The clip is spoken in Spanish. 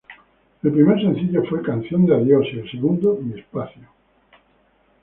El primer sencillo fue "Canción de adiós" y el segundo, "Mi espacio".